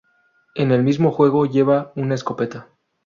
En el mismo juego lleva una escopeta.